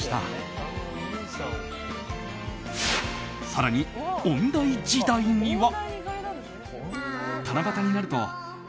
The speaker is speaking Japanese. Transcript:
更に、音大時代には。